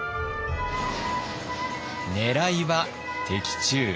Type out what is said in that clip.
ねらいは的中。